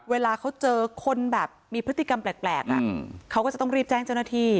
เวลาเขาเจอคนแบบมีพฤติกรรมแปลกเขาก็จะต้องรีบแจ้งเจ้าหน้าที่